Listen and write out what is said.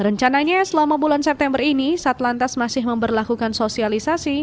rencananya selama bulan september ini satlantas masih memperlakukan sosialisasi